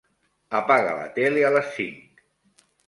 Apaga la tele a les cinc.